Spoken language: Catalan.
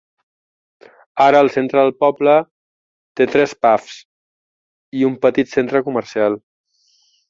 Ara el centre del poble té tres pubs i un petit centre comercial.